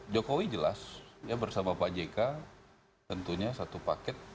jokowi jelas bersama pak jk tentunya satu paket